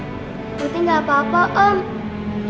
ibu ini gak apa apa om